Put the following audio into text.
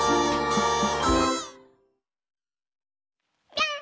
ぴょん！